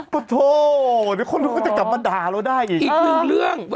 ไปไหวแล้ว